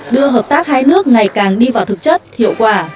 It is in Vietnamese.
đưa hợp tác hai nước ngày càng đi vào thực chất hiệu quả